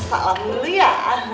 salam dulu ya